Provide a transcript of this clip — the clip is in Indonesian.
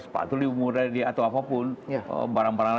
sepatu murah atau apapun barang barang